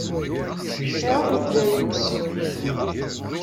Iruḥ yeǧǧa-i.